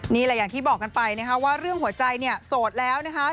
นี่แหละอย่างที่บอกกันไปนะคะว่าเรื่องหัวใจเนี่ยโสดแล้วนะคะ